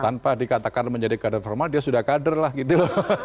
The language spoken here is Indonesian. tanpa dikatakan menjadi kader formal dia sudah kader lah gitu loh